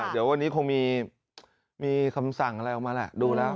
เดี๋ยววันนี้คงมีคำสั่งอะไรออกมาแหละดูแล้ว